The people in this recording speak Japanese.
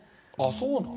そうなの？